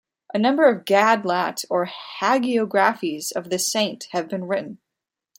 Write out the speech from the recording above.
A number of "gadlat" or hagiographies of this saint have been written.